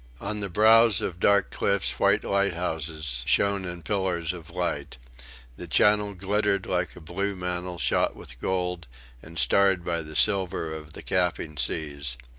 On the brows of dark cliffs white lighthouses shone in pillars of light. The Channel glittered like a blue mantle shot with gold and starred by the silver of the capping seas.